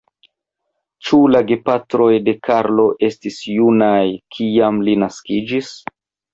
Ĉu la gepatroj de Karlo estis junaj, kiam li naskiĝis?